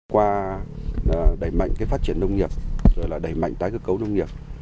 qua đẩy mạnh phát triển nông nghiệp đẩy mạnh tái cơ cấu nông nghiệp